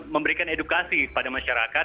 memberikan edukasi pada masyarakat